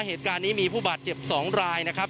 เหตุการณ์นี้มีผู้บาดเจ็บ๒รายนะครับ